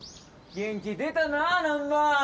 元気出たなぁ難破。